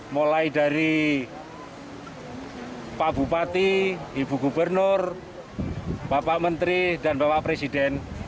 mulai dari pak bupati ibu gubernur bapak menteri dan bapak presiden